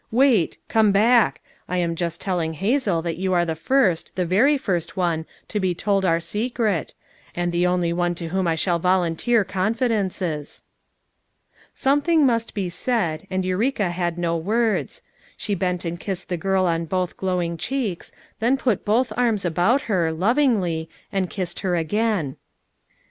"Wait! come back; I am just telling Hazel that yon are the first, the very first one to be told our secret; and the only one to whom I shall volunteer confidences." Something must be said, and Eureka had no words. She bent and kissed the girl on both glowing cheeks, then put both arms about her, lovingly, and kissed her again.